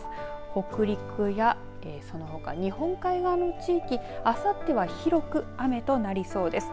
北陸や、そのほか日本海側の地域あさっては広く雨となりそうです。